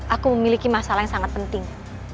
aku memiliki masalah yang sangat penting